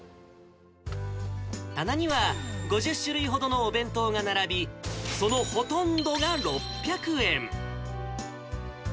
棚には５０種類ほどのお弁当が並び、そのほとんどが６００円。